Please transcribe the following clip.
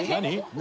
何？